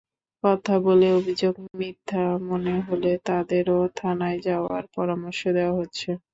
কথা বলে অভিযোগ মিথ্যা মনে হলে তাদেরও থানায় যাওয়ার পরামর্শ দেওয়া হচ্ছে।